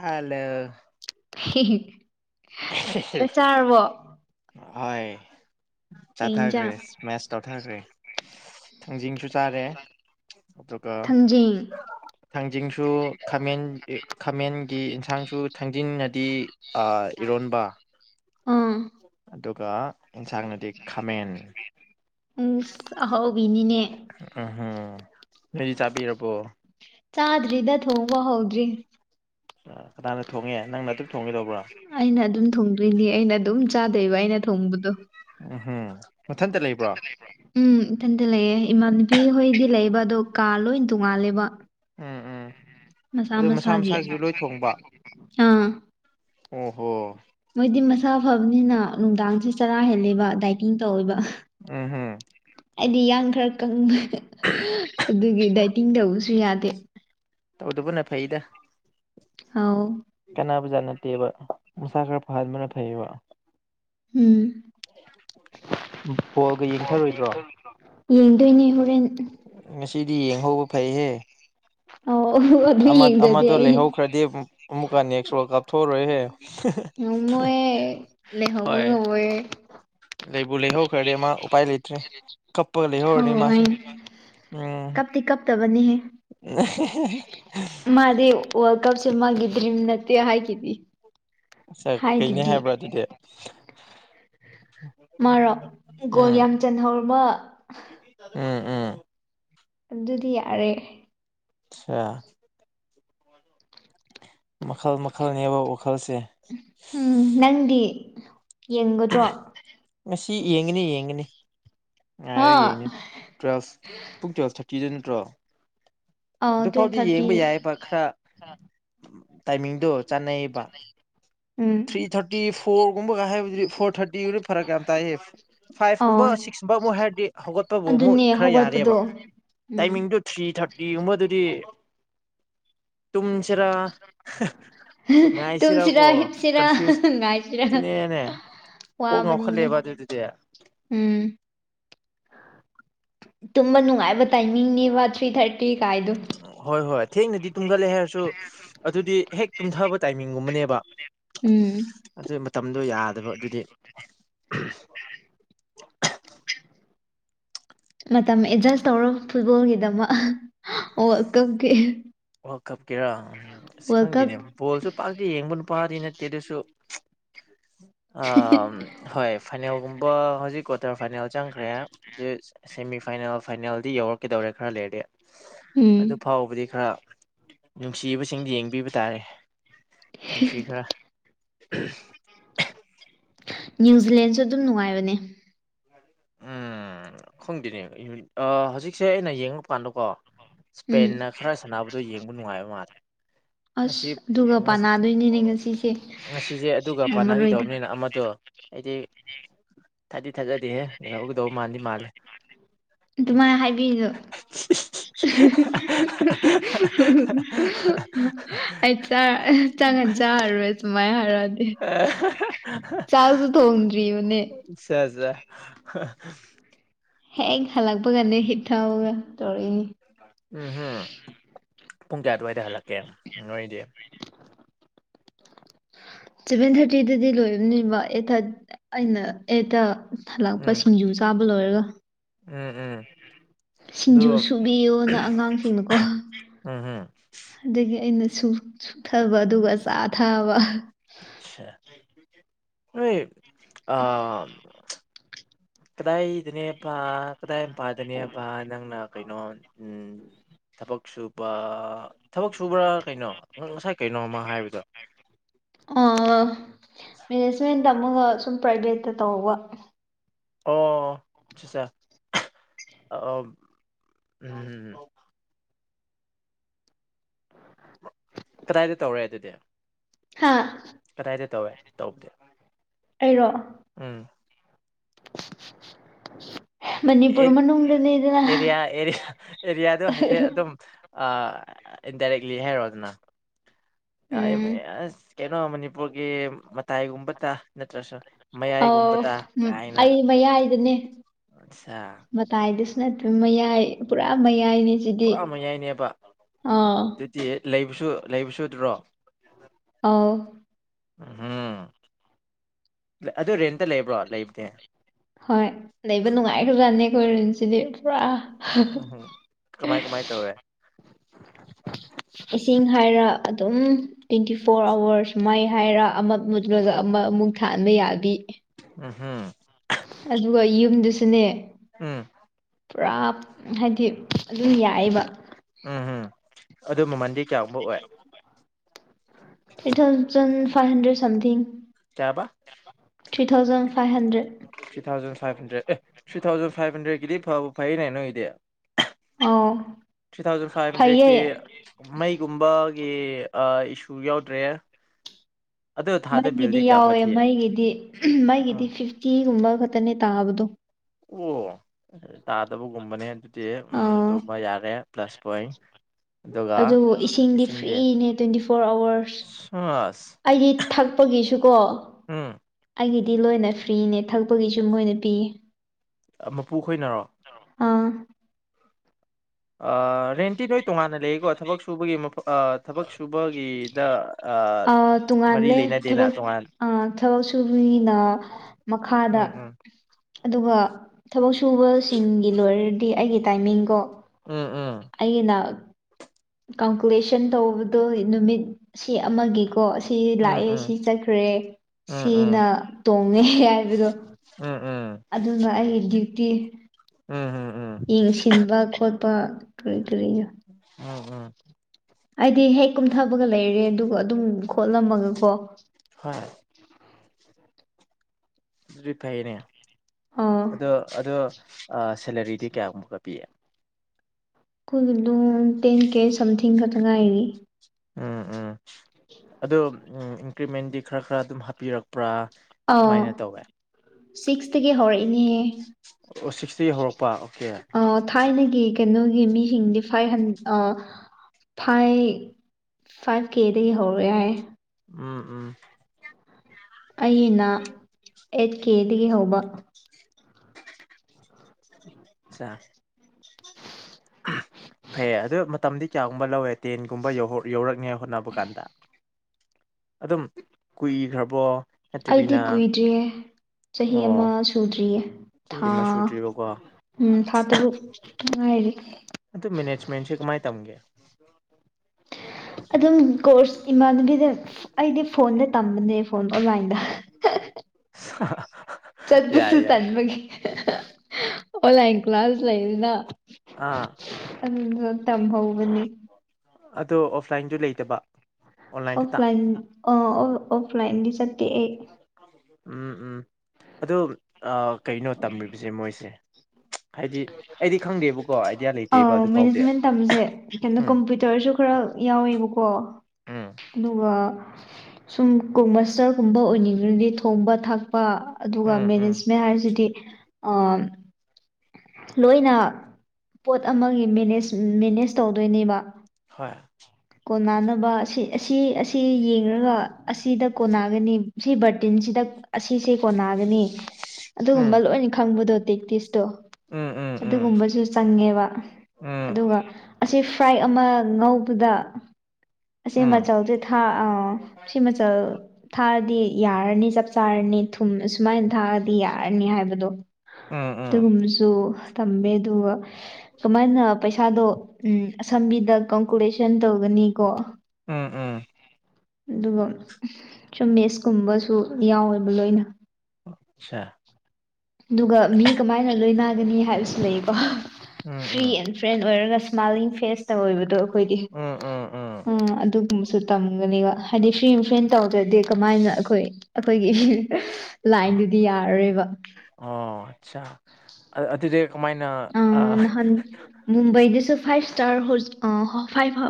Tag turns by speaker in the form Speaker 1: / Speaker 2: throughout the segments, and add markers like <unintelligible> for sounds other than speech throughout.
Speaker 1: ꯍꯂ
Speaker 2: ꯍꯤ ꯍ
Speaker 1: ꯍꯣꯏ
Speaker 2: ꯀꯩ
Speaker 1: ꯆꯥꯊꯈ꯭ꯔꯦ
Speaker 2: ꯏꯟꯖꯥꯡ
Speaker 1: ꯃꯦꯁ ꯇꯧꯊꯈ꯭ꯔꯦ ꯊꯥꯡꯖꯤꯡꯁꯨ ꯆꯥꯔꯦ ꯑꯗꯨꯒ
Speaker 2: ꯊꯝꯖꯦꯡ
Speaker 1: ꯊꯥꯡꯖꯤꯡꯁꯨ ꯈꯥꯃꯦꯟ ꯈꯥꯃꯦꯟꯒꯤ ꯌꯦꯟꯁꯥꯡꯁꯨ ꯊꯥꯡꯖꯤꯤꯡꯅꯗꯤ ꯏꯔꯣꯟꯕ
Speaker 2: ꯑꯥ
Speaker 1: ꯑꯗꯨꯒ ꯑꯦꯟꯁꯥꯡꯅꯗꯤ ꯈꯥꯃꯦꯟ
Speaker 2: ꯎꯝ ꯍ
Speaker 1: ꯎꯝꯝ ꯅꯣꯏꯗꯤ ꯆꯥꯕꯤꯔꯕꯣ
Speaker 2: ꯆꯥꯗ꯭ꯔꯤꯗ ꯊꯣꯡꯕ ꯍꯧꯗ꯭ꯔꯤ
Speaker 1: ꯀꯅꯥꯅ ꯊꯣꯡꯉꯦ ꯅꯪ ꯅꯠꯇ꯭ꯔ ꯊꯣꯡꯒꯦꯗꯧꯕ
Speaker 2: ꯑꯩꯅ ꯑꯗꯨꯝ ꯊꯣꯡꯗꯣꯏꯅꯤ ꯑꯩꯅ ꯑꯗꯨꯝ ꯆꯥꯗꯣꯏꯕ ꯑꯩꯅ ꯊꯣꯡꯕꯗꯣ
Speaker 1: ꯎꯝꯝ ꯃꯊꯟꯇ ꯂꯩꯕ꯭ꯔꯣ
Speaker 2: ꯏꯊꯟꯗꯤ ꯂꯩꯌꯦꯦ ꯏꯃꯥꯟꯅꯕꯤ ꯍꯣꯏꯗꯤ ꯂꯩꯕ ꯑꯗꯣ ꯀꯥ ꯂꯣꯏ ꯇꯣꯡꯉꯥꯜꯂꯦꯕ
Speaker 1: ꯎꯝ ꯎꯝ ꯑꯗꯨ ꯃꯁꯥ ꯃꯁꯥꯒꯤꯁꯨ ꯂꯣꯏ ꯊꯣꯡꯕ
Speaker 2: ꯑꯥ
Speaker 1: ꯑꯣ ꯍꯣ
Speaker 2: ꯃꯣꯏꯗꯤ ꯃꯁꯥ ꯐꯕꯅꯤꯅ ꯅꯨꯡꯗꯥꯡꯁꯦ ꯆꯔꯥ ꯍꯦꯂꯦꯕ ꯗꯥꯏꯀꯤꯡ ꯇꯧꯋꯦꯕ
Speaker 1: ꯎꯝ ꯍꯝ
Speaker 2: ꯍꯥꯏꯗꯤ ꯏꯡ ꯈꯔ ꯀꯪꯗꯦ ꯑꯗꯨꯒꯤ ꯗꯥꯏꯇꯤꯡ ꯇꯧꯕꯁꯨ ꯌꯥꯗꯦ
Speaker 1: ꯇꯧꯗꯨꯕꯨꯅꯦ ꯐꯩꯗ
Speaker 2: ꯍꯥꯎ
Speaker 1: ꯁꯅꯥ ꯖꯥꯠ ꯅꯠꯇꯦꯕ ꯃꯁꯥ ꯈꯔ ꯐꯍꯟꯕꯅ ꯐꯩꯌꯦꯕ
Speaker 2: ꯎꯝ
Speaker 1: ꯕꯣꯜꯒ ꯌꯦꯡꯊꯔꯣꯏꯗ꯭ꯔꯣ
Speaker 2: ꯌꯦꯡꯗꯣꯏꯅꯦ ꯍꯣꯔꯦꯟ
Speaker 1: ꯃꯁꯤꯗꯤ ꯌꯦꯡꯍꯧꯕ ꯐꯩꯍꯦ
Speaker 2: ꯑꯧ ꯑꯗꯨ ꯌꯦꯡꯗ꯭ꯔꯗꯤ
Speaker 1: ꯑꯃꯗꯣ
Speaker 2: ꯑꯩ
Speaker 1: ꯂꯩꯍꯧꯈ꯭ꯔꯗꯤ ꯑꯃꯨꯛꯀ ꯅꯦꯛꯁ ꯋꯥꯔꯜ ꯀꯥꯞꯊꯣꯛꯔꯣꯏꯍꯦ
Speaker 2: ꯃꯣꯏ ꯂꯦꯍꯧꯕ ꯉꯕꯣꯏ
Speaker 1: ꯂꯩꯕꯨ ꯂꯩꯍꯧꯈ꯭ꯔꯗꯤ ꯑꯃ ꯎꯄꯥꯏ ꯂꯩꯇ꯭ꯔꯦ ꯀꯞꯄꯀꯂꯤ ꯍꯔꯅꯤ
Speaker 2: ꯊꯋꯥꯏ
Speaker 1: ꯃꯁ ꯎꯝ
Speaker 2: ꯐꯠꯇꯕꯅꯤꯍꯦ
Speaker 1: <inaudible>
Speaker 2: ꯋꯥꯔꯜꯗ ꯀꯞꯁꯦ ꯃꯥꯒꯤ ꯗ꯭ꯔꯤꯝ ꯅꯠꯇꯦ ꯍꯥꯏꯈꯤꯗꯤ
Speaker 1: ꯑ ꯀꯩꯅꯦ
Speaker 2: ꯍꯥꯏꯗꯨꯗꯤ
Speaker 1: ꯍꯥꯏꯕ꯭ꯔꯥ ꯑꯗꯨꯗꯤ
Speaker 2: ꯃꯥꯔꯣ ꯒꯣꯜ
Speaker 1: ꯎꯝ
Speaker 2: ꯌꯥꯝ ꯆꯟꯍꯔꯃ
Speaker 1: ꯎꯝ ꯎꯝ
Speaker 2: ꯑꯗꯨꯗꯤ ꯌꯥꯔꯦ
Speaker 1: ꯑꯆꯥ ꯃꯈꯜ ꯃꯈꯜꯅꯦꯕ ꯋꯥꯈꯜꯁꯦ
Speaker 2: ꯎꯝ ꯅꯟꯗꯤ
Speaker 1: ꯉꯁꯤ ꯌꯦꯡꯅꯤ ꯌꯦꯡꯅꯤ
Speaker 2: ꯍꯥ
Speaker 1: ꯉꯥꯏꯔ ꯌꯦꯡꯅꯦ ꯇꯨꯋꯦꯜꯐ ꯄꯨꯡ ꯇꯨꯋꯦꯜ ꯊꯥꯔꯇꯤꯗ ꯅꯠꯇ꯭ꯔꯣ
Speaker 2: ꯑꯥ ꯇꯨꯌꯦꯜꯞ
Speaker 1: ꯑꯗꯨꯐꯥꯎꯗꯤ
Speaker 2: ꯊꯥꯔꯇꯤ
Speaker 1: ꯌꯦꯡꯕ ꯌꯥꯏꯕ ꯈꯔ ꯇꯥꯏꯃꯤꯡꯗꯣ ꯆꯥꯟꯅꯩꯌꯦꯕ
Speaker 2: ꯎꯝ
Speaker 1: ꯊ꯭ꯔꯤ ꯊꯥꯔꯇꯤ ꯐꯣꯔꯒꯨꯝꯕꯒ ꯍꯥꯏ ꯐꯣꯔ ꯊꯥꯔꯇꯤꯨꯔ ꯐꯔꯛ ꯌꯥꯝ ꯇꯥꯏꯌꯦ
Speaker 2: ꯑꯥꯎ
Speaker 1: ꯐꯥꯏꯚꯀꯨꯝꯕ ꯁꯤꯛꯁꯀꯨꯝꯕ ꯑꯃꯣꯏ ꯍꯥꯏꯔꯗꯤ ꯍꯧꯒꯠꯄꯕꯨ ꯃꯨꯣꯏ
Speaker 2: ꯑꯗꯨꯅꯦ
Speaker 1: ꯈꯔ
Speaker 2: ꯍꯧꯒꯠꯄꯗꯣ
Speaker 1: ꯌꯥꯔꯦꯕ
Speaker 2: ꯎꯝ
Speaker 1: ꯇꯥꯏꯃꯤꯡꯗꯨ ꯊ꯭ꯔꯤ ꯊꯥꯔꯇꯤꯒꯨꯝꯕ ꯑꯗꯨꯗꯤ ꯇ
Speaker 2: ꯇꯝꯁꯤꯔꯥ
Speaker 1: ꯉꯥꯏꯁꯤꯔꯥꯀꯣ
Speaker 2: ꯍꯤꯞꯁꯤꯔꯥ
Speaker 1: ꯀꯟꯐ꯭ꯌꯨꯁ
Speaker 2: ꯉꯥꯏꯁꯤꯔꯥ
Speaker 1: ꯑꯗꯨꯅꯦꯅꯦ ꯀꯣꯛ
Speaker 2: ꯋꯥꯕꯅꯤꯅꯦ
Speaker 1: ꯉꯥꯎꯈꯠꯂꯦꯕ ꯑꯗꯨꯗꯨꯗꯤ
Speaker 2: ꯎꯝ ꯇꯨꯝꯕ ꯅꯨꯡꯉꯥꯏꯕ ꯇꯥꯏꯃꯤꯡꯅꯦꯕ ꯊ꯭ꯔꯤ ꯊꯥꯔꯇꯤ ꯀꯥꯏꯗꯣ
Speaker 1: ꯍꯣꯏ ꯍꯣꯏ ꯊꯦꯡꯅꯗꯤ ꯇꯨꯝꯈꯠꯂꯦ ꯍꯥꯏꯔꯁꯨ ꯑꯗꯨꯗꯤ ꯍꯦꯛ ꯇꯨꯝꯊꯕ ꯇꯥꯏꯃꯤꯡ ꯀꯨꯝꯕꯅꯦꯕ
Speaker 2: ꯎꯝ
Speaker 1: ꯇꯗꯣ ꯌꯥꯗꯕ ꯑꯗꯨꯗꯤ <inaudible>
Speaker 2: ꯃꯇꯝ ꯑꯦꯗꯖꯁ ꯇꯧꯔꯣ ꯐꯨꯠꯕꯣꯜꯒꯤꯗꯃꯛ ꯀ
Speaker 1: ꯋꯥ ꯀꯞꯀꯤꯦꯔꯥ ꯎꯝ ꯑꯁ
Speaker 2: ꯀꯞ
Speaker 1: ꯈꯪꯗꯦꯅꯦꯕ ꯕꯣꯜꯁꯨ ꯄꯥꯛꯇ ꯌꯦꯡꯕ ꯅꯨꯄꯥꯗꯤ ꯅꯠꯇꯦ ꯑꯗꯨꯁꯨ ꯑ ꯍ ꯐꯥꯏꯅꯦꯜ ꯀꯕ ꯍꯧꯖꯤꯛ ꯀ꯭ꯋꯥꯇ ꯐꯥꯏꯅꯦꯜ ꯆꯪꯈ꯭ꯔꯦ ꯑꯗꯨ ꯁꯦꯃꯤ ꯐꯥꯏꯅꯦꯜ ꯐꯥꯏꯅꯦꯜꯗꯤ ꯌꯧꯔꯛꯀꯗꯧꯔꯦ ꯈꯔ ꯂꯩꯔꯗꯤ
Speaker 2: ꯎꯝ
Speaker 1: ꯑꯗꯨ ꯐꯥꯎꯕꯗꯤ ꯈꯔ ꯅꯨꯡꯁꯤꯕꯁꯤꯡ ꯌꯦꯡꯕꯤꯕ ꯇꯥꯔꯦ ꯀꯒ
Speaker 2: ꯅ꯭ꯌꯨ ꯖꯤꯂꯦꯟꯁꯨ ꯑꯗꯨꯝ ꯅꯨꯡꯉꯥꯏꯕꯅꯦ
Speaker 1: ꯎꯝ ꯈꯪꯗꯦꯅꯦ ꯍꯧꯖꯤꯛꯁꯦ ꯑꯩꯅ ꯌꯦꯡꯕ ꯀꯥꯟꯗꯀꯣ
Speaker 2: ꯎꯝ
Speaker 1: ꯏꯁꯄꯦꯟꯅ ꯈꯔ ꯁꯥꯟꯅꯕꯗꯣ ꯌꯦꯡꯕ ꯅꯨꯡꯉꯥꯏꯕ ꯃꯥꯜꯂꯦ ꯉꯁꯤ
Speaker 2: ꯑꯁ ꯑꯗꯨꯒ ꯄꯥꯅꯥꯗꯣꯏꯅꯤꯅꯦ ꯉꯁꯤꯁꯦ
Speaker 1: ꯉꯁꯤꯁꯦ ꯑꯗꯨꯒ
Speaker 2: ꯉꯝꯃꯔꯣꯏꯗ
Speaker 1: ꯄꯥꯟꯅꯈꯤꯗꯧꯕꯅꯤꯅ ꯑꯃꯗꯣ ꯑꯩꯗꯤ ꯊꯥꯗꯤ ꯊꯥꯖꯗꯤꯍꯦ ꯂꯩꯍꯧꯒꯗꯧꯕ ꯃꯥꯟꯗꯤ ꯃꯥꯜꯂꯦ
Speaker 2: ꯑꯗꯨꯃꯥꯏꯅ ꯍꯥꯏꯕꯤꯅꯣ ꯑꯩ ꯆꯪꯉꯅꯤ ꯆꯥꯔꯨꯔꯦ ꯁꯨꯃꯥꯏꯅ ꯍꯥꯏꯔꯛꯑꯗꯤ ꯆꯥꯛꯁꯨ ꯊꯣꯡꯗ꯭ꯔꯤꯕꯅꯦ
Speaker 1: ꯖ
Speaker 2: ꯍꯦꯛ ꯍꯜꯂꯛꯄꯒꯅꯦ ꯍꯤꯞꯊꯕꯒꯥ ꯇꯧꯇꯥꯛ ꯏꯅꯦ
Speaker 1: ꯎꯝ ꯎꯝ ꯄꯨꯡ ꯀꯌꯥ ꯑꯗꯨꯋꯥꯏꯗ ꯍꯜꯂꯛꯀꯦ ꯅꯣꯏꯗꯤ
Speaker 2: ꯁꯚꯦꯟ ꯊꯥꯔꯇꯤꯗꯗꯤ ꯂꯣꯏꯕꯅꯦꯕ ꯑꯦꯠ ꯊꯔ ꯑꯩꯅ ꯑꯦꯠꯇ ꯍꯜꯂꯛꯄ
Speaker 1: ꯎꯝ
Speaker 2: ꯁꯤꯡꯖꯨ ꯆꯥꯕ ꯂꯣꯏꯔꯒ
Speaker 1: ꯎꯝ ꯎꯝ ꯑꯗꯨ
Speaker 2: ꯁꯤꯡꯖꯨ ꯁꯨꯕꯤꯌꯣꯅ ꯑꯉꯥꯡꯁꯤꯡꯅꯀꯣ
Speaker 1: ꯎꯝꯍꯨꯝ
Speaker 2: ꯑꯗꯨꯒꯤ ꯑꯩꯅ ꯁ ꯁꯨꯊꯕ ꯑꯗꯨꯒ ꯆꯥꯊꯕ
Speaker 1: ꯑꯠꯁꯥ ꯅꯣꯏ ꯑ ꯀꯗꯥꯏꯗꯅꯦꯕ ꯀꯗꯥꯏ ꯃꯄꯥꯗꯅꯦꯕ ꯅꯪꯅ ꯀꯩꯅꯣ ꯎꯝ ꯊꯕꯛ ꯁꯨꯕ ꯊꯕꯛ ꯁꯨꯕ꯭ꯔꯥ ꯀꯩꯅꯣ ꯉꯁꯥꯏ ꯀꯩꯅꯣꯃ ꯍꯥꯏꯕꯗꯣ <unintelligible>
Speaker 2: ꯑꯣ ꯃꯦꯅꯦꯖꯃꯦꯟ ꯇꯝꯃꯒꯥ ꯁꯨꯝ ꯄ꯭ꯔꯥꯏꯚꯦꯠꯇ ꯇꯧꯕ
Speaker 1: ꯑꯣ ꯑꯥꯆꯥ ꯑ ꯎꯝꯝ ꯀꯗꯥꯏꯗ ꯇꯧꯔꯦ ꯑꯗꯨꯗꯤ
Speaker 2: ꯍꯥꯥ
Speaker 1: ꯀꯗꯥꯏꯗ ꯇꯧꯋꯦ ꯇꯧꯕꯗꯤ
Speaker 2: ꯑꯩꯔꯣ
Speaker 1: ꯎꯝ
Speaker 2: ꯃꯅꯤꯄꯨꯔ ꯃꯅꯨꯡꯗꯅꯤꯗꯅ
Speaker 1: ꯑꯦꯔꯤꯌꯥ ꯑꯦꯔꯤꯌꯥꯗ ꯍꯥꯏꯐꯦꯠ ꯑꯗꯨꯝ ꯑ ꯏꯟꯗꯥꯏꯔꯦꯛꯂꯤ ꯍꯥꯏꯔꯛ ꯑꯣꯗꯅ
Speaker 2: ꯎꯝ
Speaker 1: ꯌꯥ ꯑꯁ ꯀꯩꯅꯣ ꯃꯅꯤꯄꯨꯔꯒꯤ ꯃꯇꯥꯏꯒꯨꯝꯕꯇ ꯅꯠꯇ꯭ꯔꯁꯨ
Speaker 2: ꯑꯣ
Speaker 1: ꯃꯌꯥꯏꯒꯨꯝꯕꯗ
Speaker 2: ꯑꯩ ꯃꯌꯥꯏꯗꯅꯦ
Speaker 1: ꯑꯆꯥ
Speaker 2: ꯁꯨ ꯅꯠꯇꯦ ꯃꯌꯥꯏ ꯄꯨꯔꯥ ꯃꯌꯥꯏ
Speaker 1: ꯄꯨꯔꯥ ꯃꯌꯥꯏꯅꯦꯕ
Speaker 2: ꯑꯥ
Speaker 1: ꯑꯗꯨꯗꯤ ꯂꯩꯕꯁꯨ ꯂꯩꯕꯁꯨꯗ꯭ꯔꯣ
Speaker 2: ꯑꯥꯎ
Speaker 1: ꯎꯝꯝ ꯑꯗꯨ ꯔꯦꯟꯇ ꯂꯩꯕ꯭ꯔꯣ ꯂꯩꯕꯗꯤ
Speaker 2: ꯍꯣꯏ ꯂꯩꯕ ꯅꯨꯡꯉꯥꯏꯈ꯭ꯔ꯭ ꯖꯠꯅꯦ ꯑꯩꯈꯣꯏ ꯔꯦꯟꯁꯤꯗꯤ ꯄꯨꯔꯥ
Speaker 1: ꯎꯝ ꯀꯃꯥꯏ ꯀꯃꯥꯏ ꯇꯧꯋꯦ
Speaker 2: ꯏꯁꯤꯡ ꯍꯥꯏꯔ ꯑꯗꯨꯝ ꯇ꯭ꯋꯦꯟꯇꯤ ꯐꯣꯔ ꯑꯋꯥꯔ ꯁ ꯃꯩ ꯍꯥꯏꯔ ꯑꯃ ꯃꯨꯠꯂꯒ ꯑꯃ ꯑꯃꯨꯛ ꯊꯥꯟꯕ ꯌꯥꯕꯤ
Speaker 1: ꯎ ꯍꯝ
Speaker 2: ꯑꯗꯨꯒ ꯌꯨꯝꯗꯨꯁꯨꯅꯦ
Speaker 1: ꯎꯝ
Speaker 2: ꯄꯨꯔꯥ ꯍꯥꯏꯗꯤ ꯑꯗꯨꯝ ꯌꯥꯏꯌꯦꯕ
Speaker 1: ꯎꯝ ꯎꯝ ꯑꯗꯨ ꯃꯃꯟꯗꯤ ꯀꯌꯥꯒꯨꯝꯕ ꯑꯣꯏ
Speaker 2: three thousand five hundred something
Speaker 1: ꯌꯥꯕ
Speaker 2: three thousand five hundred
Speaker 1: thousand five hundred ꯊ꯭ ꯊꯥꯎꯖꯟ ꯐꯥꯏꯚ ꯍꯟꯗ꯭ꯔꯦꯠꯀꯤꯗꯤ ꯐꯕꯨ ꯐꯩꯅꯦ ꯅꯣꯏꯒꯤꯗꯤ
Speaker 2: ꯑꯧ
Speaker 1: ꯊꯔꯤ ꯊꯥꯎꯖꯟ ꯐꯥꯏꯚꯕ
Speaker 2: ꯐꯩꯌꯦ
Speaker 1: ꯍꯨꯟꯗꯔ꯭ꯦꯗꯀꯤ ꯃꯩ ꯒꯨꯝꯕꯒꯤ ꯏꯁꯨ ꯌꯥꯎꯗ꯭ꯔꯦ ꯑꯗꯨ ꯊꯥꯗ
Speaker 2: ꯃꯩꯒꯤꯗꯤ
Speaker 1: ꯕꯤꯜꯗꯤ ꯀꯌꯥꯒꯨꯝꯕ
Speaker 2: ꯌꯥꯎꯋꯦ
Speaker 1: ꯊꯤꯌꯦ
Speaker 2: ꯃꯩꯒꯤꯗꯤ
Speaker 1: ꯑ
Speaker 2: ꯃꯩꯒꯤꯗꯤ ꯐꯤꯐꯇꯤꯒꯨꯝꯕ ꯈꯛꯇꯅꯦ ꯇꯥꯕꯗꯣ
Speaker 1: ꯑꯣ ꯇꯥꯇꯕꯨꯒꯨꯝꯕꯅꯦ ꯎꯝ
Speaker 2: ꯑꯥ
Speaker 1: ꯑꯗꯨꯃꯥ ꯌꯥꯔꯦ ꯄ꯭ꯂꯁ ꯄꯣꯏꯟ ꯑꯗꯨꯒ
Speaker 2: ꯑꯗꯨꯕꯨ ꯏꯁꯤꯡꯗꯤ ꯐ꯭ꯔꯤꯅꯦ ꯇ꯭ꯋꯦꯟꯇꯤ ꯐꯣꯔ ꯑꯋꯥꯔꯁ
Speaker 1: ꯁꯁ
Speaker 2: ꯑꯩꯗꯤ ꯊꯛꯄꯒꯤꯁꯨꯀꯣ
Speaker 1: ꯎꯝ
Speaker 2: ꯑꯩꯒꯤ ꯗꯤ ꯂꯣꯏꯅ ꯐ꯭ꯔꯤꯅꯦ ꯊꯛꯄꯒꯤꯁꯨ ꯃꯣꯏꯅ ꯄꯤꯌꯦ
Speaker 1: ꯃꯄꯨ ꯈꯣꯏꯅꯔꯣ
Speaker 2: ꯑꯥ
Speaker 1: ꯔꯦꯟꯇꯤ ꯅꯣꯏ ꯇꯣꯉꯥꯟꯅ ꯂꯩꯌꯦꯀꯣ ꯊꯕꯛ ꯁꯨꯕꯒꯤ ꯃꯐꯝ ꯊꯕꯛ ꯁꯨꯕꯒꯤꯗ
Speaker 2: ꯑ
Speaker 1: ꯃꯔꯤ
Speaker 2: ꯇꯣꯉꯥꯜꯂꯦ
Speaker 1: ꯂꯩꯅꯗꯦꯅ
Speaker 2: ꯊꯕꯛ
Speaker 1: ꯇꯣꯉꯥꯟ
Speaker 2: ꯑ ꯊꯕꯛ ꯁꯨꯕꯤꯅ ꯃꯈꯥꯗ
Speaker 1: <inaudible>
Speaker 2: ꯑꯗꯨꯒ ꯊꯕꯛ ꯁꯨꯕꯁꯤꯡꯒꯤ ꯂꯣꯏꯔꯗꯤ ꯑꯩꯒꯤ ꯇꯥꯏꯃꯤꯡ ꯀꯣ
Speaker 1: ꯎꯝ
Speaker 2: ꯑꯩꯅ ꯀꯥꯜꯀꯨꯂꯦꯁꯟ ꯇꯧꯕꯗꯣ ꯅꯨꯃꯤꯠ ꯁꯤ ꯑꯃꯒꯤ ꯀꯣ ꯁꯤ
Speaker 1: ꯎꯝ
Speaker 2: ꯂꯥꯛꯑꯦ ꯁꯤ
Speaker 1: ꯎꯝ
Speaker 2: ꯆꯠꯈ꯭ꯔꯦ
Speaker 1: ꯎꯝ ꯎꯝ
Speaker 2: ꯁꯤꯅ ꯇꯣꯡꯉꯦ ꯍꯥꯏꯕꯗꯣ
Speaker 1: ꯎꯝ
Speaker 2: ꯑꯗꯨꯅ ꯑꯩꯒꯤ ꯏ
Speaker 1: ꯎꯝ ꯍꯝ
Speaker 2: ꯌꯦꯡꯁꯤꯟꯕ ꯈꯣꯠꯄ ꯀꯔꯤ ꯀꯔꯤꯅꯣ
Speaker 1: ꯎꯝ ꯎꯝ
Speaker 2: ꯑꯗꯨꯗꯤ ꯍꯦꯛ ꯀꯨꯝ ꯄꯠꯊꯕꯒ ꯂꯩꯔꯦ ꯑꯗꯨꯒ ꯑꯗꯨꯝ ꯈꯣꯠꯂꯝꯃꯒꯀꯣ
Speaker 1: ꯍꯣꯏ ꯑꯗꯨꯗꯤ ꯐꯩꯅꯦ
Speaker 2: ꯑ ꯑꯩꯈꯣꯏꯒꯤ
Speaker 1: ꯑꯗꯣ ꯑꯣ ꯁꯦꯂꯔꯤ ꯗꯤ ꯀꯌꯥꯒꯨꯝꯛꯀ ꯄꯤꯑꯦ
Speaker 2: ꯑꯩꯈꯣꯏꯒꯤ ꯑꯗꯨ ꯇꯦꯟ ꯀꯦꯁ ꯁꯝꯊꯤꯡ ꯈꯛꯇ ꯉꯥꯏꯔꯤ
Speaker 1: ꯎꯝ ꯎꯝ ꯑꯗꯣ ꯏꯟꯀ꯭ꯔꯤꯃꯦꯟꯗꯤ ꯈꯔ ꯈꯔ ꯑꯗꯨꯝ ꯍꯥꯞꯄꯤꯔꯛꯄ꯭ꯔꯥ ꯀꯃꯥꯏꯅ
Speaker 2: ꯑꯥꯎ
Speaker 1: ꯇꯧꯋꯦ
Speaker 2: ꯁꯤꯛꯁꯇꯒꯤ ꯍꯧꯔꯛꯏꯅꯦꯍꯦ
Speaker 1: ꯑꯣ ꯁꯤꯛꯁꯇꯤ ꯍꯧꯔꯛꯄ ꯑꯣ
Speaker 2: ꯑ ꯊꯥꯏꯅꯒꯤ ꯀꯩꯅꯣꯒꯤ ꯃꯤꯁꯤꯡꯗꯤ ꯐꯥꯏꯚ ꯍꯟ ꯑ ꯐꯥꯏꯚ ꯐꯥꯏꯚ ꯀꯦꯗꯒꯤ ꯍꯧꯔ ꯌꯥꯔꯦ
Speaker 1: ꯎꯝ ꯎꯝ
Speaker 2: ꯑꯩꯅ ꯑꯩꯠ ꯀꯦꯗꯒꯤ ꯍꯧꯕ
Speaker 1: ꯁꯥ ꯑ ꯐꯩꯌꯦ ꯑꯗꯨ ꯃꯇꯝꯗꯤ ꯀꯌꯥꯒꯨꯝꯕ ꯂꯧꯋꯦ ꯇꯦꯟꯒꯨꯝꯕ ꯌꯧꯔꯛꯅꯤ ꯍꯣꯠꯅꯕ ꯀꯥꯟꯗ ꯑꯗꯨꯝ ꯀꯨꯏꯈ꯭ꯔꯕꯣ
Speaker 2: ꯑꯩꯗꯤ
Speaker 1: ꯅꯠꯇ꯭ꯔꯤꯕꯤꯅ
Speaker 2: ꯀꯨꯏꯗ꯭ꯔꯤꯦ ꯆꯍꯤ
Speaker 1: ꯑꯣ
Speaker 2: ꯑꯃ ꯁꯨꯗ꯭ꯔꯤꯌꯦ
Speaker 1: ꯆꯍꯤ
Speaker 2: ꯊꯥ
Speaker 1: ꯑꯃ ꯁꯨꯗ꯭ꯔꯤꯕꯀꯣ
Speaker 2: ꯎꯝ ꯊꯥ ꯇꯔꯨꯛ ꯉꯅꯨꯡꯉꯥꯏꯔꯤ
Speaker 1: ꯑꯗꯨ ꯃꯦꯅꯦꯖꯃꯦꯟꯁꯤ ꯀꯃꯥꯏ ꯇꯝꯒꯦ
Speaker 2: ꯑꯗꯨꯝ ꯀꯣꯔꯁ ꯏꯃꯥꯟꯅꯕꯤꯗ ꯑꯩꯗꯤ ꯐꯣꯟꯗ ꯇꯝꯕꯅꯦ ꯐꯣꯟ ꯑꯣꯟꯂꯥꯏꯟꯗ
Speaker 1: ꯑ
Speaker 2: ꯆꯠꯄꯁꯨ ꯇꯟꯕꯒꯤꯦ ꯑꯣꯟꯂꯥꯏꯟ ꯀ꯭ꯂꯥꯁ ꯂꯩꯗꯅ
Speaker 1: ꯑꯥ
Speaker 2: ꯑꯗꯨ ꯇꯝꯍꯧꯕꯅꯤ
Speaker 1: ꯑꯗꯣ ꯑꯣꯐꯂꯥꯏꯟꯁꯨ ꯂꯩꯇꯕ ꯑꯣꯟꯂꯥꯏꯟ ꯈꯛꯇ
Speaker 2: ꯑꯣꯐꯂꯥꯏꯟ ꯑ ꯑꯣꯐꯂꯥꯏꯟꯗꯤ ꯆ
Speaker 1: ꯎꯝ ꯎꯝ ꯑꯗꯣ ꯀꯩꯅꯣ ꯇꯝꯃꯤꯕꯁꯦ ꯃꯣꯏꯁꯦ ꯍꯥꯏꯗꯤ ꯑꯩꯗꯤ ꯈꯪꯗꯦꯕ
Speaker 2: ꯑ ꯃꯦꯅꯦꯖꯃꯦꯟ ꯇꯝꯁꯦ ꯀꯩꯅꯣ
Speaker 1: ꯎꯝ
Speaker 2: ꯀꯝꯄ꯭ꯌꯨꯇꯔꯁꯨ ꯈꯔ ꯌꯥꯎꯋꯦꯕꯀꯣ
Speaker 1: ꯎꯝ
Speaker 2: ꯑꯗꯨꯒ ꯁꯨꯝ ꯃꯁꯇꯔꯒꯨꯝꯕ ꯑꯣꯏꯅꯤꯡꯉꯗꯤ ꯊꯣꯡꯕ ꯊꯥꯛ ꯑꯗꯨꯒ ꯃꯦꯅꯦꯖꯃꯦꯟ ꯍꯥꯏꯁꯤꯗꯤ ꯂꯣꯏꯅ ꯄꯣꯠ ꯑꯃꯒꯤꯅꯦ ꯃꯦꯅꯦꯖ ꯇꯧꯗꯣꯏꯅꯦꯕ
Speaker 1: ꯍꯣꯏ
Speaker 2: ꯀꯣꯟꯅꯅꯕ ꯑꯁꯤ ꯑꯁꯤ ꯑꯁꯤ ꯌꯦꯡꯂꯡꯒ ꯑꯁꯤꯗ ꯀꯣꯟꯅꯒꯅꯤ ꯁꯤ ꯕꯔꯠ ꯇꯤꯟꯁꯤꯗ ꯑꯁꯤꯁꯦ ꯀꯣꯟꯅꯒꯅꯤ ꯑꯗꯨꯒꯨꯝꯕ ꯂꯣꯏꯅ ꯈꯪꯕꯗꯣ ꯇꯦꯛꯇꯤꯁ ꯣ ꯑꯗꯨꯒꯨꯝꯕꯁꯨ ꯆꯪꯉꯦꯕ ꯑꯗꯨꯒ ꯑꯁꯤ ꯐ꯭ꯔꯥꯏ ꯑꯃ ꯉꯧꯕꯗ ꯑꯁꯤ ꯃꯆꯜꯁꯦ ꯑꯥ ꯁꯤ ꯃꯆꯜ ꯊꯥꯑꯗꯤ ꯌꯥꯔꯅꯤ ꯆꯞ ꯆꯥꯔꯅꯤ ꯊꯨꯝ ꯁꯨꯃꯥꯏꯅ ꯊꯥꯛꯑꯗꯤ ꯌꯥꯔꯅꯤ ꯍꯥꯏꯕꯗꯣ ꯑꯗꯨꯒꯨꯝꯕꯁꯨ ꯇꯝꯃꯦ ꯑꯗꯨꯒ ꯀꯃꯥꯏꯅ ꯄꯩꯁꯥꯗꯣ ꯎꯝ ꯑꯁꯝꯕꯤꯗ ꯀꯨꯔꯦꯁꯟ ꯇꯧꯒꯅꯤꯀꯣ
Speaker 1: ꯎꯝ ꯎꯝ
Speaker 2: ꯑꯗꯨꯒ ꯆꯨꯝꯃꯦꯁꯀꯨꯝꯕꯁꯨ ꯌꯥꯎꯋꯦꯕ ꯂꯣꯏꯅ
Speaker 1: ꯑꯆꯥ
Speaker 2: ꯑꯗꯨꯒ ꯃꯤ ꯀꯃꯥꯏꯅ ꯂꯣꯏꯅꯒꯅꯤ ꯍꯥꯏꯕꯁꯨ ꯂꯩꯌꯦꯀꯣ
Speaker 1: ꯎꯝ
Speaker 2: ꯐ꯭ꯔꯤ ꯑꯦꯟ ꯐ꯭ꯔꯦꯟ ꯑꯣꯏꯔꯒ ꯏꯁꯃꯥꯏꯂꯤꯡ ꯐꯦꯁ ꯇꯧꯕꯗꯣ ꯑꯩꯈꯣꯏꯗꯤ
Speaker 1: ꯎꯝ ꯎꯝ ꯎꯝ ꯎꯝ
Speaker 2: ꯑ ꯑꯗꯨꯒꯨꯝꯕꯁꯨ ꯇꯝꯒꯅꯤꯕ ꯍꯥꯏꯗꯤ ꯐ꯭ꯔꯤ ꯐꯦꯟ ꯇꯧꯗ꯭ꯔꯗꯤ ꯀꯃꯥꯏꯅ ꯑꯩꯈꯣꯏ ꯑꯩꯈꯣꯏꯒꯤ ꯂꯥꯏꯟꯗꯨꯗꯤ ꯌꯥꯔꯔꯣꯏꯕ
Speaker 1: ꯑꯣ ꯑꯆꯥ ꯑ ꯑꯗꯨꯗꯤ ꯀꯃꯥꯏꯅ
Speaker 2: ꯑ ꯅꯍꯥꯟ ꯃꯕꯩꯗꯤꯁꯨ ꯐꯥꯏ ꯁ꯭ꯇꯥꯔ ꯍ ꯐꯥꯏꯚ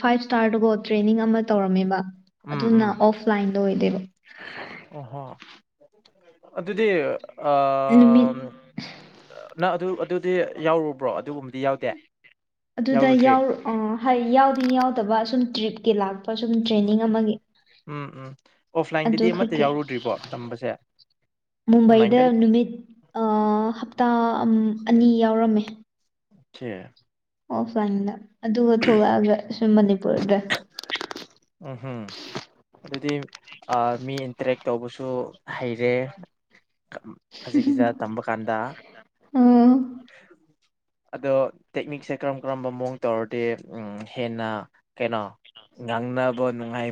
Speaker 2: ꯐꯥꯏꯞ ꯁ꯭ꯇꯥꯔꯗꯨꯒꯣ ꯇ꯭ꯔꯦꯅꯤꯡ ꯑꯃ ꯇꯧꯔꯝꯃꯦꯕ
Speaker 1: ꯎꯝ
Speaker 2: ꯑꯗꯨꯅ
Speaker 1: ꯎꯝ
Speaker 2: ꯑꯣꯐꯂꯥꯏꯟꯗ ꯑꯣꯏꯗꯦꯕ
Speaker 1: ꯑꯣꯍꯣ ꯑꯗꯨꯗꯤ
Speaker 2: ꯅꯨꯃꯤꯠ
Speaker 1: ꯅꯪ ꯑꯗꯨ ꯑꯗꯨꯗꯤ ꯌꯥꯎꯔꯨꯕ꯭ꯔꯣ ꯑꯗꯨꯒꯨꯝꯕꯗꯤ ꯌꯥꯎꯗꯦ
Speaker 2: ꯑꯗꯨꯗ
Speaker 1: ꯌꯥꯎꯔꯨꯗ꯭ꯔꯤ
Speaker 2: ꯌꯥꯎꯗꯤ ꯌꯥꯎꯗꯕ ꯁꯁꯨꯝ ꯇ꯭ꯔꯤꯞꯀꯤ ꯂꯥꯛꯄ ꯁꯨꯝ ꯇ꯭ꯔꯦꯅꯤꯡ ꯑꯃꯒꯤ
Speaker 1: ꯎꯝ ꯎꯝ
Speaker 2: ꯑꯗꯨ
Speaker 1: ꯑꯣꯐꯂꯥꯏꯟꯗꯗꯤ ꯑꯃꯠꯇ
Speaker 2: ꯈꯛꯀꯤ
Speaker 1: ꯌꯥꯎꯔꯨꯗ꯭ꯔꯤꯕꯣ ꯇꯝꯕꯁꯦ
Speaker 2: ꯃꯨꯝꯕꯩꯗ
Speaker 1: ꯑꯣꯟꯂꯥꯏꯟꯗ
Speaker 2: ꯅꯨꯃꯤꯠ ꯍꯞꯇꯥ ꯑꯅꯤ ꯌꯥꯎꯔꯝꯃꯦ
Speaker 1: ꯀ
Speaker 2: ꯑꯣꯐꯂꯥꯏꯟꯗ ꯑꯗꯨꯒ ꯊꯣꯛꯂꯛꯑꯒ꯭ꯔꯦ ꯁꯨꯝ ꯃꯅꯤꯄꯨꯔꯗꯦ
Speaker 1: ꯎꯝ ꯍꯝ ꯑꯗꯨꯗꯤ ꯃꯤ ꯏꯟꯇꯔꯦꯛ ꯇꯧꯕꯁꯨ ꯍꯩꯔꯦ ꯑꯁꯤꯒꯤꯁꯤꯦ ꯇꯝꯕ ꯀꯥꯟꯗ
Speaker 2: ꯎꯝ
Speaker 1: ꯑꯗꯣ ꯇꯦꯛꯅꯤꯛꯁꯦ ꯀꯔꯝ ꯀꯔꯝꯕ ꯃꯑꯣꯡ ꯇꯧꯔꯗꯤ ꯍꯦꯟꯅ ꯀꯩꯅꯣ ꯉꯥꯡꯅꯕ ꯅꯨꯡꯉꯥꯏ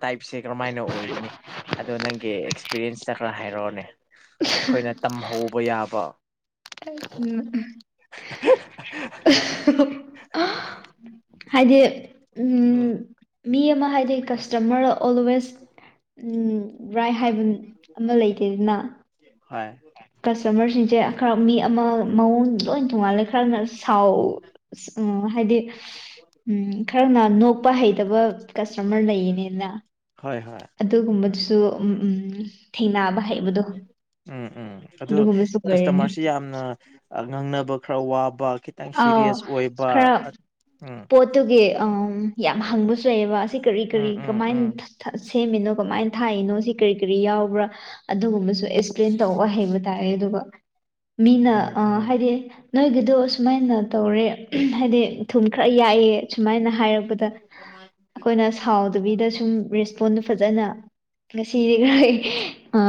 Speaker 1: ꯇꯥꯏꯞꯁꯦ ꯀꯔꯝꯥꯏꯅ ꯑꯣꯏꯒꯅꯤ ꯑꯗꯣ ꯅꯪꯒꯤ ꯑꯦꯛꯁꯄꯤꯔꯤꯌꯦꯟꯁꯇ ꯈꯔ ꯍꯥꯏꯔꯛꯑꯣꯅꯦ ꯑꯩꯈꯣꯏꯅ ꯇꯝꯍꯧꯕ ꯌꯥꯕ
Speaker 2: ꯎ ꯍꯥꯏꯗꯤ
Speaker 1: ꯎꯝ
Speaker 2: ꯃꯤ ꯑꯃ ꯍꯥꯏꯗꯤ ꯀꯁꯇꯃꯔ ꯑꯣꯜꯋꯦꯁ ꯔꯥꯏ ꯍꯥꯏꯕ ꯑꯃ ꯂꯩꯇꯦ ꯑꯗꯨꯅ
Speaker 1: ꯍꯣꯏ
Speaker 2: ꯀꯁꯇꯃꯔꯁꯤꯡꯁꯦ ꯈꯔ ꯃꯤ ꯑꯃ ꯃꯑꯣꯡ ꯂꯣꯏ ꯊꯣꯡꯉꯥꯜꯂꯦ ꯈꯔꯅ ꯁꯥꯎ ꯎ ꯍꯥꯏꯗꯤ ꯎꯝ ꯈꯔ ꯅ ꯅꯣꯛꯄ ꯍꯩꯇꯕ ꯀꯁꯇꯃꯔ ꯂꯩꯌꯦꯅꯦꯅ
Speaker 1: ꯍꯣꯏ ꯍꯣꯏ
Speaker 2: ꯑꯗꯨꯒꯨꯝꯕꯗꯨꯁꯨ ꯊꯦꯡꯅꯕ ꯍꯩꯕꯗꯣ
Speaker 1: ꯎꯝ ꯎꯝ ꯑꯗꯨ
Speaker 2: ꯑꯗꯨꯒꯨꯝꯕꯁꯨ ꯑꯣꯏꯔꯅꯤ
Speaker 1: ꯀꯁꯇꯃꯔꯁꯤ ꯌꯥꯝꯅ ꯉꯥꯡꯅꯕ ꯈꯔ ꯋꯥꯕ ꯈꯤꯇꯪ
Speaker 2: ꯑꯥꯎ
Speaker 1: ꯁꯤꯔꯤꯌꯁ ꯑꯣꯏꯕ
Speaker 2: ꯈꯔ
Speaker 1: ꯎꯝ
Speaker 2: ꯄꯣꯠꯇꯨꯒꯤ ꯌꯥꯝ ꯍꯪꯕꯁꯨꯏꯑꯕ ꯑꯁꯤ ꯀꯔꯤ ꯀꯔꯤ
Speaker 1: ꯎꯝ ꯎꯝ ꯎꯝ
Speaker 2: ꯀꯃꯥꯏꯅ ꯁꯦꯝꯃꯤꯅꯣ ꯀꯃꯥꯏꯅ ꯊꯥꯛꯏꯅꯣ ꯁꯤ ꯀꯔꯤ ꯀꯔꯤ ꯌꯥꯎꯕ꯭ꯔꯥ ꯑꯗꯨꯒꯨꯝꯕꯁꯨ ꯑꯦꯛꯁꯄ꯭ꯂꯦꯟ ꯇꯧꯕ ꯍꯩꯕ ꯇꯦ ꯑꯗꯨꯒ ꯃꯤꯅ
Speaker 1: ꯎꯝ
Speaker 2: ꯍꯥꯏꯗꯤ ꯅꯣꯏꯒꯤꯗꯣ ꯁꯨꯃꯥꯏꯅ ꯇꯧꯔꯦ ꯍꯥꯏꯗꯤ ꯊꯨꯝ ꯈꯔ ꯌꯥꯛꯑꯦ ꯁꯨꯃꯥꯏꯅ ꯍꯥꯏꯔꯛꯄꯗ ꯑꯩꯈꯣꯏꯅ ꯁꯥꯎꯗꯨꯕꯤꯗ ꯁꯨꯝ ꯔꯦꯁꯄꯣꯟꯗ ꯐꯖꯅ ꯁꯤꯗꯤ ꯈꯔ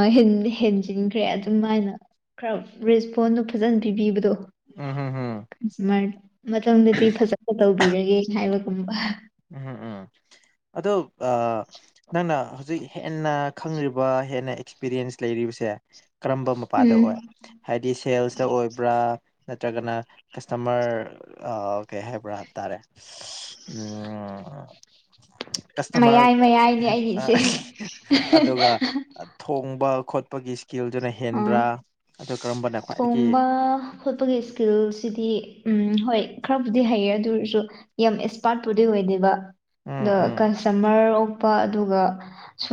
Speaker 2: ꯍꯦꯟꯖꯤꯟꯈ꯭ꯔꯦ ꯑꯗꯨꯝꯥꯏꯅ ꯈꯔ ꯔꯦꯁꯄꯣꯟꯗꯣ ꯐꯖꯅ ꯄꯤꯕꯤꯕꯗꯣ
Speaker 1: ꯎꯝ ꯍꯝ
Speaker 2: ꯁꯨꯃꯔ ꯃꯇꯝꯗꯗꯤ ꯐꯖꯅ ꯇꯧꯕꯤꯔꯒꯦ ꯍꯥꯏꯕꯒꯨꯝꯕ
Speaker 1: ꯎꯝꯝ ꯎꯝ ꯑꯗꯣ ꯅꯪꯅ ꯍꯧꯖꯤꯛ ꯍꯦꯟꯅ ꯈꯪꯉꯕ ꯍꯦꯟꯅ ꯑꯦꯛꯁꯄꯤꯔꯤꯌꯦꯟꯁ ꯂꯩꯔꯤꯕꯁꯦ ꯀꯔꯝꯕ ꯃꯄꯥꯗ
Speaker 2: ꯎꯝ
Speaker 1: ꯑꯣꯏ ꯍꯥꯏꯗꯤ ꯁꯦꯜꯁꯇ ꯑꯣꯏꯕ꯭ꯔꯥ ꯅꯠꯇ꯭ꯔꯒꯅ ꯀꯁꯇꯃꯔ ꯀꯩ ꯍꯥꯏꯕ꯭ꯔꯥꯇꯥꯥꯔꯦ ꯎ ꯀꯁꯇꯃꯔ
Speaker 2: ꯃꯌꯥꯏ ꯃꯌꯥꯏꯅꯦ ꯑꯩꯒꯤꯁꯦ
Speaker 1: ꯑꯗꯨꯒ ꯊꯣꯡꯕ ꯈꯣꯠꯄꯒꯤ ꯏꯁꯀꯤꯜꯗꯨꯅ
Speaker 2: ꯑꯥ
Speaker 1: ꯍꯦꯟꯕ꯭ꯔꯥ ꯀꯔꯝꯕꯅ ꯈ꯭ꯋꯥꯏꯗꯒꯤ
Speaker 2: ꯊꯣꯡꯕ ꯈꯣꯠꯄꯒꯤ ꯏꯁꯀꯤꯜꯁꯤꯗꯤ ꯎ ꯍꯣꯏ ꯈꯔꯕꯨꯗꯤ ꯍꯩꯌꯦ ꯑꯗꯨꯔꯁꯨ ꯌꯥꯝ ꯑꯦꯛꯁꯄꯥꯔꯠꯄꯨꯗꯤ ꯑꯣꯏꯗꯦꯕ
Speaker 1: ꯎꯝ
Speaker 2: ꯑꯗꯣ
Speaker 1: ꯎꯝ
Speaker 2: ꯀꯁꯇꯃꯔ ꯑꯣꯐ ꯑꯗꯨꯒ